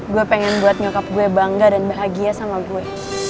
gue pengen buat nyokap gue bangga dan bahagia sama gue